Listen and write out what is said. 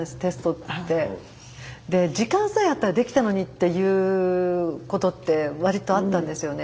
時間さえあったらできたのにっていうことって割とあったんですよね